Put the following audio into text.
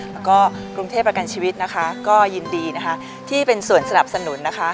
แล้วก็กรุงเทพประกันชีวิตนะคะก็ยินดีนะคะที่เป็นส่วนสนับสนุนนะคะ